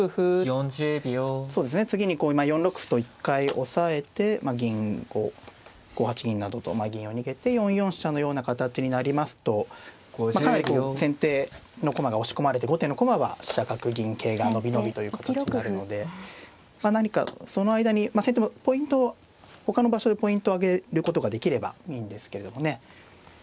次にこう４六歩と一回押さえて銀を５八銀などと銀を逃げて４四飛車のような形になりますとかなりこう先手の駒が押し込まれて後手の駒は飛車角銀桂が伸び伸びという形になるので何かその間に先手もポイントをほかの場所でポイントをあげることができればいいんですけれどもね。